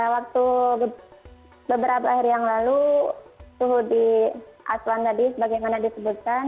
waktu beberapa hari yang lalu suhu di aswan tadi sebagaimana disebutkan